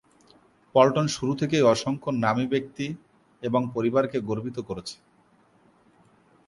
পল্টন শুরু থেকেই অসংখ্য নামী ব্যক্তি এবং পরিবারকে গর্বিত করেছে।